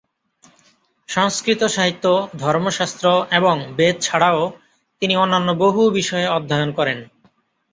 সংস্কৃত সাহিত্য, ধর্মশাস্ত্র এবং বেদ ছাড়াও তিনি অন্যান্য বহু বিষয়ে অধ্যয়ন করেন।